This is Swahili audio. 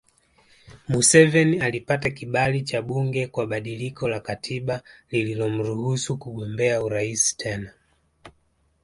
Museveni alipata kibali cha bunge kwa badiliko la katiba lililomruhusu kugombea urais tena